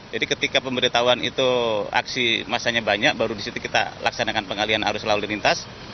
jadi ketika pemberitahuan itu aksi masanya banyak baru di situ kita laksanakan pengalihan arus lalu lintas